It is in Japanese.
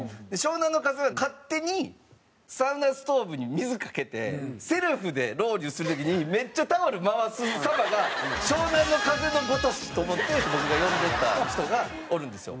湘南乃風は勝手にサウナストーブに水かけてセルフでロウリュする時にめっちゃタオル回す様が湘南乃風のごとしと思って僕が呼んでた人がおるんですよ。